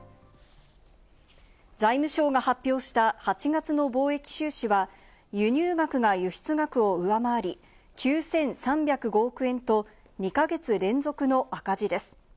財務省が発表した８月の貿易収支は輸入額が輸出額を上回り、９３０５億円と２か月連続の赤字です。